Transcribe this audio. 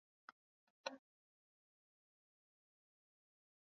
walishinda Anatolia ya Mashariki ambayo ilikuwa sehemu